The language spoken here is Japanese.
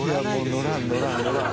乗らん乗らん乗らん。